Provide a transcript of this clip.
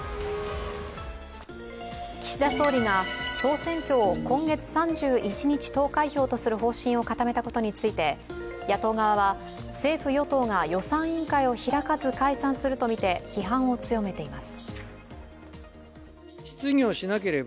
岸田総理が総選挙が今月３１日投開票とする方針を固めたことについて野党側は、政府・与党が予算委員会を開かず解散するとみて批判を強めています。